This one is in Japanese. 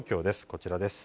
こちらです。